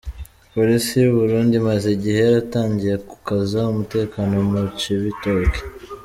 Polisi y’u Burundi imaze igihe yaratangiye gukaza umutekano mu Cibitoki.